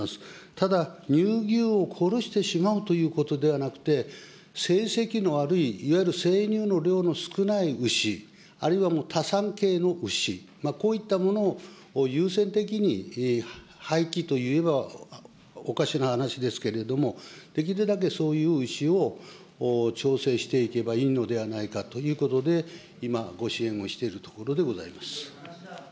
ただ、乳牛を殺してしまうということではなくて、成績の悪い、いわゆる生乳の量の少ない牛、あるいはもう多産系の牛、こういったものを優先的に廃棄といえばおかしな話ですけれども、できるだけそういう牛を調整していけばいいのではないかということで、今、ご支援をしているところでございます。